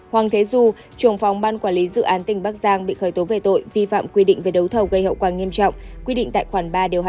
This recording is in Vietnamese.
hoàng thế du trùng phóng ban quản lý dự án tỉnh bắc giang bị khởi tố về tội vi phạm quy định về đấu thầu gây hậu quả nghiêm trọng quy định tại khoản ba điều hai trăm hai mươi hai